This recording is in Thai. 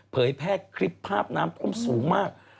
เผยแพร่คลิปภาพน้ำท่วมสูงมาก